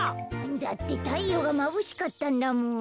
だってたいようがまぶしかったんだもん。